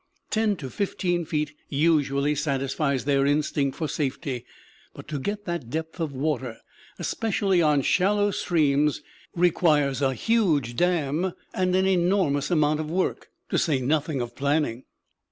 Ten to fifteen feet usually satisfies their instinct for safety; but to get that depth of water, especially on shallow streams, requires a huge dam and an enormous amount of work, to say nothing of planning.